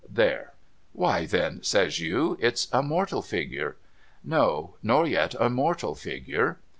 There. Why then, says you, it's a mortal figure. No, nor yet a mortal figure.